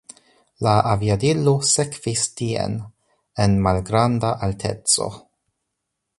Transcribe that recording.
La aviadilo sekvis tien en malgranda alteco.